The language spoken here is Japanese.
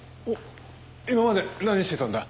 今まで何してたんだ？